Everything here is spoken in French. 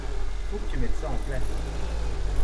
Il faut que tu mettes ça en place.